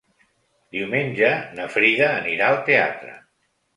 Diumenge na Frida anirà al teatre.